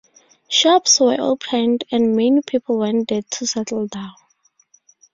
Shops were opened and many people went there to settle down.